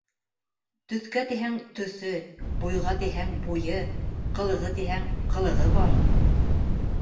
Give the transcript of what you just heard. — Төҫкә тиһәң — төҫө, буйға тиһәң — буйы, ҡылығы тиһәң ҡылығы бар.